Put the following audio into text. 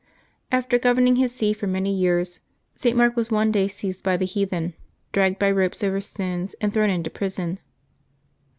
After governing his see for many years, St. Mark was one day seized by the heathen, dragged by ropes over stones, and thrown into prison.